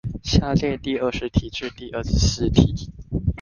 下列第二十題至第二十四題